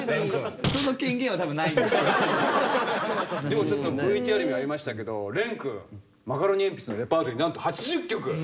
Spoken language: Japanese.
でもちょっとＶＴＲにありましたけどれんくんマカロニえんぴつのレパートリーなんと８０曲。